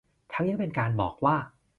ทั้งยังเป็นการบอกว่า